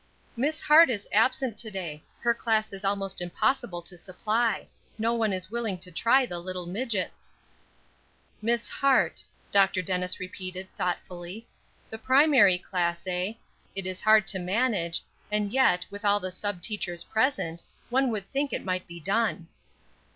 "Miss Hart is absent to day; her class is almost impossible to supply; no one is willing to try the little midgets." "Miss Hart," Dr. Dennis repeated, thoughtfully; "the primary class, eh; it is hard to manage; and yet, with all the sub teachers present, one would think it might be done."